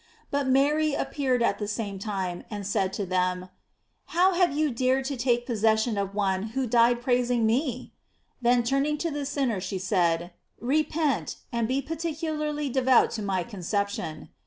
But Mary appeared at the Fame time, and said to them: "How have you dared to take possession of one who died praising me?" Then turning to the sinner, she said: "Repent," and be particularly devout to my Conception.! * Fatrign. Men. 8 lug. t Eus. Nier.